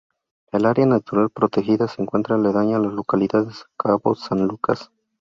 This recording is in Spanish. El área natural protegida se encuentra aledaña a la localidad de Cabo San Lucas.